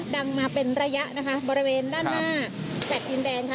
ดังมาเป็นระยะนะคะบริเวณด้านหน้าแฟลต์ดินแดงค่ะ